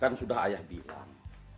kan sudah ayah bilang